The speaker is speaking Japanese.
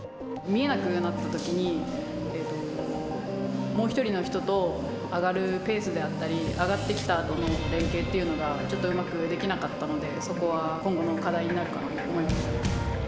見えなくなったときに、もう１人の人と上がるペースであったり、上がってきたあとの連携っていうのが、ちょっとうまくできなかったので、そこは今後の課題になるかなと思いました。